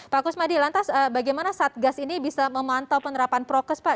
pak kusmadi lantas bagaimana satgas ini bisa memantau penerapan prokes pak